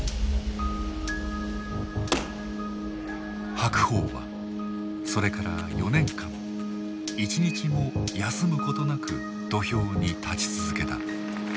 白鵬はそれから４年間一日も休むことなく土俵に立ち続けた。